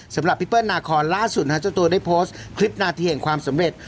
สำหรับพี่เปิ้ลนาคอนล่าสุดเจ้าตัวได้โพสต์คลิปนาทีแห่งความสำเร็จ